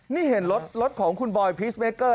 นี่เห็นรถของคุณบอยพีชเมเกอร์